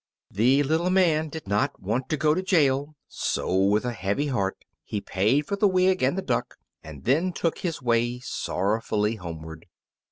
The little man did not want to go to jail, so with a heavy heart he paid for the wig and the duck, and then took his way sorrowfully homeward.